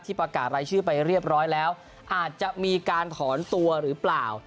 ประกาศรายชื่อไปเรียบร้อยแล้วอาจจะมีการถอนตัวหรือเปล่า